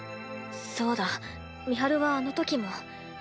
そうだ美晴はあのときも。